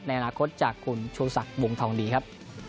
ในอนาคตจากคุณชูสักวงธองดีครับ